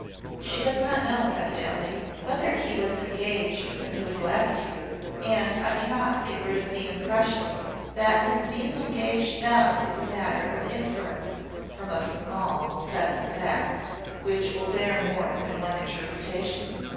She does not know, evidently, whether he was engaged when he was last here; and I cannot get rid of the impression, that his being engaged now is a matter of inference from a small set of facts, which will bear more than one interpretation."